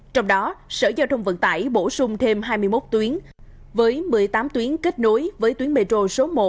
trong đó sở giao thông vận tải bổ sung thêm hai mươi một tuyến với một mươi tám tuyến kết nối với tuyến metro số một